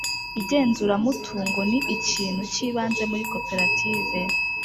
Igenzuramutungo ni ikintu cy ibanze muri koperative